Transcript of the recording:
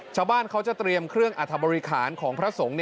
ชาวบ้านเขาจะเตรียมเครื่องอัธบริคารของพระสงฆ์